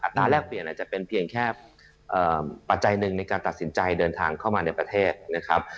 ตราแรกเปลี่ยนอาจจะเป็นเพียงแค่ปัจจัยหนึ่งในการตัดสินใจเดินทางเข้ามาในประเทศนะครับ